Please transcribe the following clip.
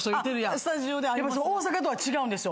スタジオで会いますね。